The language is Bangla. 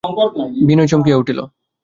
বিনয় চমকিয়া উঠিল।